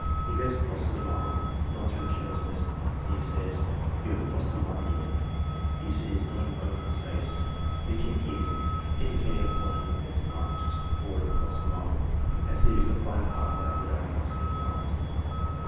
If S. crosses a line, not through carelessness, E. says: "You have crossed a line here. You see it is not an open space. Begin here (indicating a point on the pencil mark just before it crossed the line) and see if you can find a path out without crossing any lines."